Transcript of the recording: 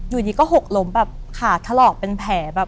อยู่ดีก็หกล้มแบบขาดทะเลาะเป็นแผล